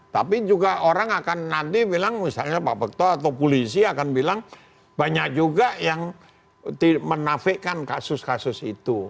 tapi juga orang akan nanti bilang misalnya pak bekto atau polisi akan bilang banyak juga yang menafikan kasus kasus itu